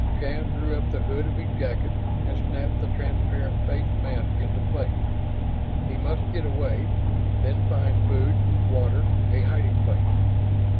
Shann drew up the hood of his jacket and snapped the transparent face mask into place. He must get away then find food, water, a hiding place.